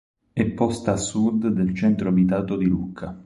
È posta a sud del centro abitato di Lucca.